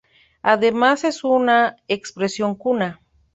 Además es una expresión Kuna.